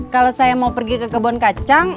kalau saya mau pergi ke kebun kacang